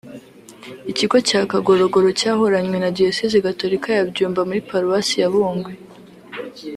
Ikigo cya Kagorogoro cyahoranywe na Diyoseze Gatolika ya Byumba muri Paruwasi ya Bungwe